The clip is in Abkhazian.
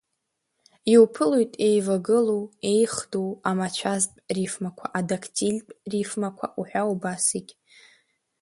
Иуԥылоит еивагылоу, еихдоу, амацәазтә рифмқәа, адактильтә рифмақәа уҳәа убас егь.